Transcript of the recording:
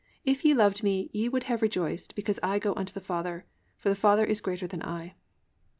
If ye loved me, ye would have rejoiced, because I go unto the Father: for the Father is greater than I."